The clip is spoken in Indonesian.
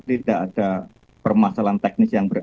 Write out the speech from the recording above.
tidak ada permasalahan teknis yang